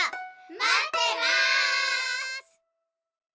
まってます！